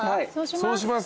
そうします。